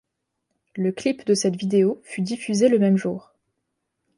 Le clip de cette vidéo fut diffusé le même jour.